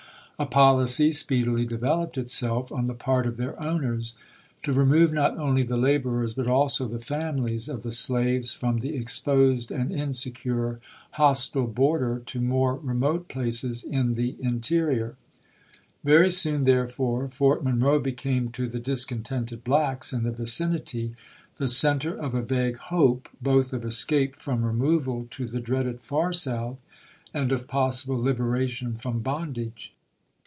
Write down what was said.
A policy speedily developed itself on the part of their owners to remove not only the laborers, but also the families of the slaves, from the exposed and insecure hostile border to more re mote places in the interior. Very soon, therefore, Fort Monroe became to the discontented blacks in the vicinity the center of a vague hope, both of escape from removal to the dreaded far South, and of possible liberation from bondage.